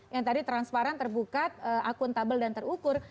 yang tadi transparan terbuka akuntabel dan terukur